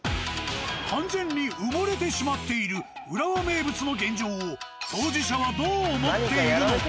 完全に埋もれてしまっている浦和名物の現状を当事者はどう思っているのか？